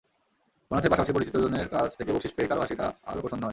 বোনাসের পাশাপাশি পরিচিতজনদের কাছ থেকে বকশিশ পেয়ে কারও হাসিটা আরও প্রসন্ন হয়।